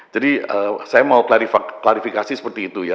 jadi saya mau klarifikasi seperti itu ya